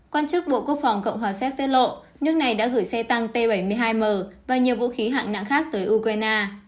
quan chức bộ quốc phòng cộng hòa séc tiết lộ nước này đã gửi xe tăng t bảy mươi hai m và nhiều vũ khí hạng nặng khác tới ukraine